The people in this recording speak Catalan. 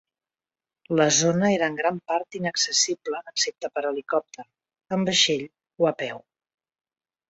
La zona era en gran part inaccessible excepte per helicòpter, en vaixell o a peu.